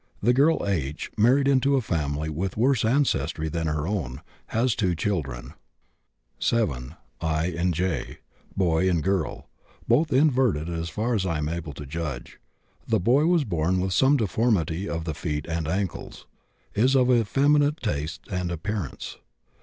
The girl H. married into a family with worse ancestry than her own. Has two children: 7. I. and J., boy and girl, both inverted as far as I am able to judge. The boy was born with some deformity of the feet and ankles; is of effeminate tastes and appearance.